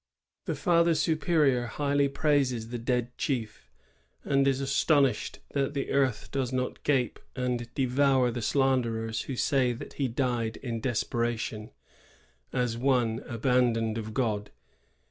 ^ The Father Superior highly praises the dead chief, and is astonished that the earth does not gape and devour the slanderers who say that he died in desper ation, as one abandoned of God.